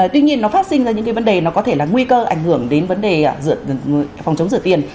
tuy nhiên nó phát sinh ra những cái vấn đề nó có thể là nguy cơ ảnh hưởng đến vấn đề phòng chống rửa tiền